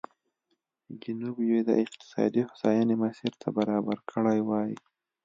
جنوب یې د اقتصادي هوساینې مسیر ته برابر کړی وای.